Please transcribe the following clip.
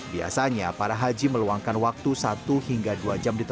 biasanya para haji meluangkan waktu satu hingga dua jam